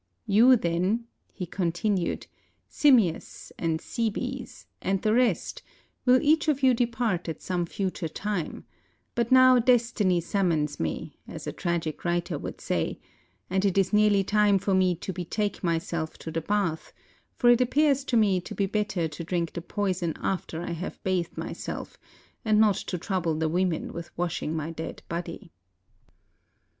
"You, then," he continued, "Simmias and Cebes, and the rest, will each of you depart at some future time; but now destiny summons me, as a tragic writer would say, and it is nearly time for me to betake myself to the bath; for it appears to me to be better to drink the poison after I have bathed myself, and not to trouble the women with washing my dead body."